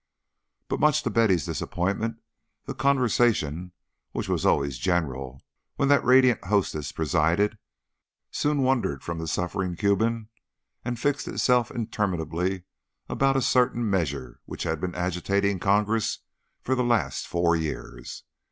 But much to Betty's disappointment the conversation, which was always general when that radiant hostess presided, soon wandered from the suffering Cuban and fixed itself interminably about a certain measure which had been agitating Congress for the last four years.